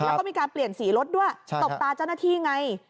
แล้วก็มีการเปลี่ยนสีรถด้วยตบตาเจ้าหน้าที่ไง